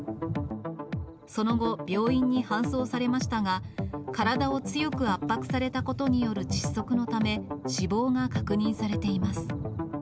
その後、病院に搬送されましたが、体を強く圧迫されたことによる窒息のため、死亡が確認されています。